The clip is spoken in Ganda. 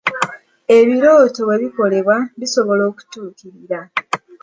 Ebirooto bwe bikolebwako bisobola okutuukirira .